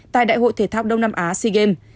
tại đại hội thể thao đông nam á sea games